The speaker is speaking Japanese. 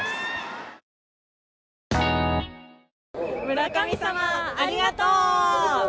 村上様、ありがとう！